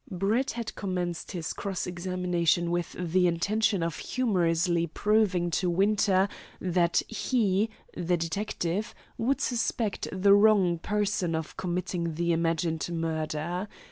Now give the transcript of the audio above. Brett had commenced his cross examination with the intention of humorously proving to Winter that he (the detective) would suspect the wrong person of committing the imagined murder.